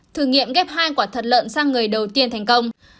thử nghiệm ghép hai quả thật lợn sang người đầu tiên thành công